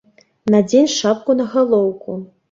Надзень шапку на галоўку!